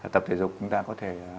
tập thể dục chúng ta có thể